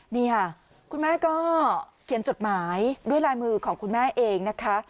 นี่ค่ะคุณแม่ก็เขียนจดหมายด้วยลายมือของคุณแม่เองนะคะ